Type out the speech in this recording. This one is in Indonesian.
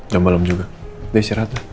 jam balam juga deh istirahatlah